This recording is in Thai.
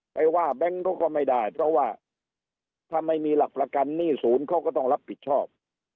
ไปว่าแบงค์เขาก็ไม่ได้เพราะว่าถ้าไม่มีหลักประกันหนี้ศูนย์เขาก็ต้องรับผิดชอบ